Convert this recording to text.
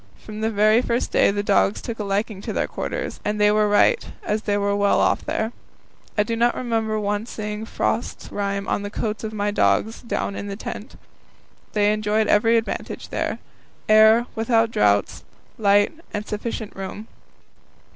From the very first day the dogs took a liking to their quarters, and they were right, as they were well off there. I do not remember once seeing frost rime on the coats of my dogs down in the tent. They enjoyed every advantage there air, without draughts, light, and sufficient room.